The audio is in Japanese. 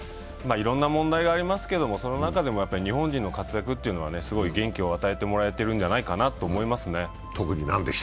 いろんな問題がありますけれど、その中でも日本人の活躍というのは元気を与えてもらってるんじゃないかと思いますね。